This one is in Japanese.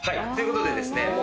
ということでですね